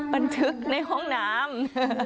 บันทึกในห้องน้ำ